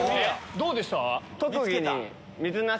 どうでした？